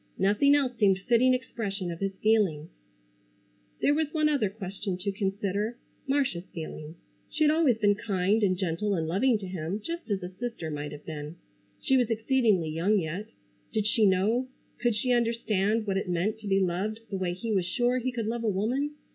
Nothing else seemed fitting expression of his feelings. There was one other question to consider—Marcia's feelings. She had always been kind and gentle and loving to him, just as a sister might have been. She was exceedingly young yet. Did she know, could she understand what it meant to be loved the way he was sure he could love a woman?